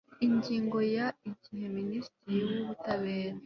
ingingo ya igihe minisitiri w ubutabera